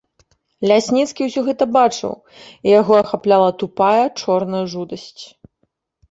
Лясніцкі ўсё гэта бачыў, і яго ахапляла тупая, чорная жудасць.